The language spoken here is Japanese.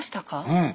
うん。